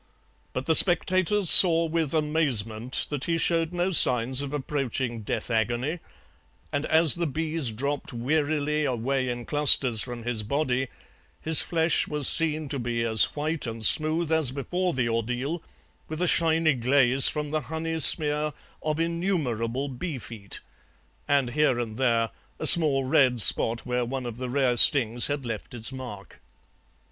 But the spectators saw with amazement that he showed no signs of approaching death agony, and as the bees dropped wearily away in clusters from his body his flesh was seen to be as white and smooth as before the ordeal, with a shiny glaze from the honey smear of innumerable bee feet, and here and there a small red spot where one of the rare stings had left its mark.